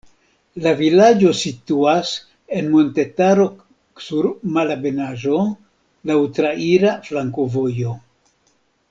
La vilaĝo situas en montetaro sur malebenaĵo, laŭ traira flankovojo.